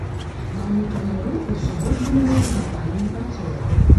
На ўнутраным рынку ўсё больш дамінуюць кампаніі імпарцёры.